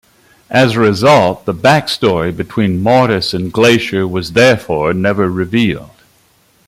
As a result, the backstory between Mortis and Glacier was therefore never revealed.